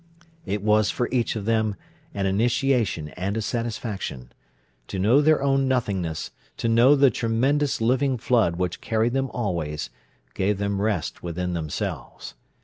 It was for each of them an initiation and a satisfaction. To know their own nothingness, to know the tremendous living flood which carried them always, gave them rest within themselves.